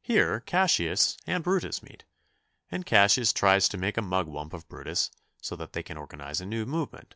Here Cassius and Brutus meet, and Cassius tries to make a Mugwump of Brutus, so that they can organize a new movement.